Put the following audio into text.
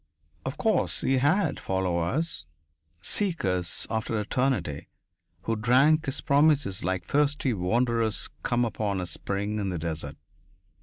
Of course he had followers seekers after eternity who drank his promises like thirsty wanderers come upon a spring in the desert.